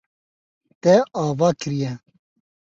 Te ava kiriye.